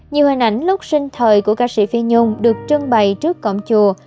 nhiều hình ảnh lúc sinh thời của ca sĩ phi nhung được trưng bày trước cổng chùa